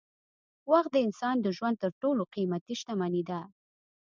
وخت د انسان د ژوند تر ټولو قېمتي شتمني ده.